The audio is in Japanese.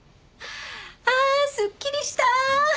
ああすっきりした！